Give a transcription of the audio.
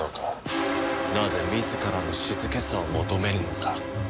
なぜ自らの静けさを求めぬのか。